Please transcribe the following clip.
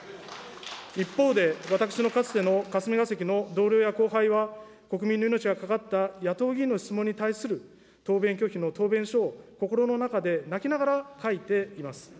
一方で、私のかつての霞が関の同僚や後輩は、国民の命が懸かった野党議員の質問に対する答弁拒否の答弁書を心の中で泣きながら書いています。